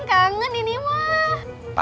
kangen ini mah